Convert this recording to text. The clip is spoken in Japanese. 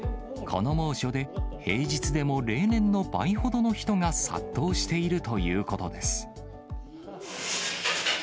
この猛暑で、平日でも例年の倍ほどの人が殺到しているということです。